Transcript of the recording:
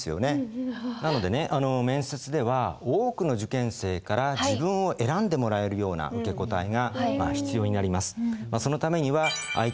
なのでね面接では多くの受験生から自分を選んでもらえるような受け答えが必要になります。